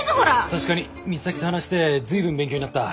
確かに美咲と話して随分勉強になった。